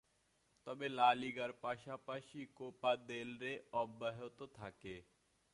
তবে লা লিগার পাশাপাশি কোপা দেল রে অব্যহত থাকে।